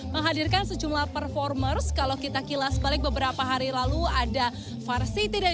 menghadirkan sejumlah performers kalau kita kilas balik beberapa hari lalu ada var city dan